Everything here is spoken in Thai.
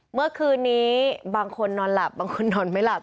เมื่อคืนนี้บางคนนอนหลับบางคนนอนไม่หลับ